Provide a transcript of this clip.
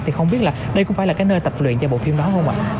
thì không biết là đây cũng phải là cái nơi tập luyện cho bộ phim đó không ạ